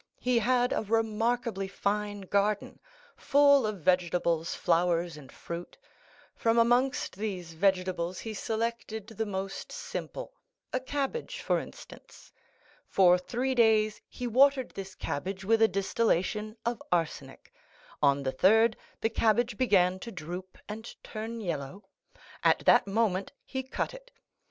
He had a remarkably fine garden, full of vegetables, flowers, and fruit. From amongst these vegetables he selected the most simple—a cabbage, for instance. For three days he watered this cabbage with a distillation of arsenic; on the third, the cabbage began to droop and turn yellow. At that moment he cut it.